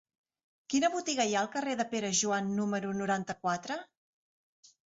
Quina botiga hi ha al carrer de Pere Joan número noranta-quatre?